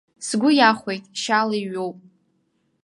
Сгәы иахәеит, шьала иҩуп.